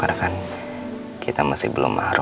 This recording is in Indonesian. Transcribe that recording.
karena kan kita masih belum mahrum